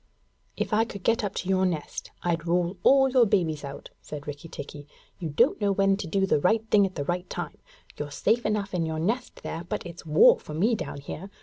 'If I could get up to your nest, I'd roll all your babies out!' said Rikki tikki. 'You don't know when to do the right thing at the right time. You're safe enough in your nest there, but it's war for me down here.